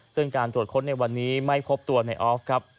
ซึ่งการตรวจค้นในวันนี้ไม่พบตัวในออฟครับ